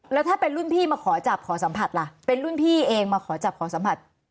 แล้วถ้าเป็นรุ่นพี่มาขอจับขอสัมผัสล่ะเป็นรุ่นพี่เองมาขอจับขอสัมผัส